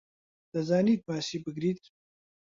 دەزانیت ماسی بگریت؟